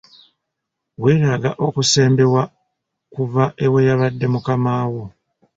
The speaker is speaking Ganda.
Weetaaga okusembewa kuva ow'eyabadde mukamaawo.